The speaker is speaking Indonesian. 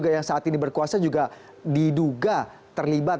yang saat ini berkuasa juga diduga terlibat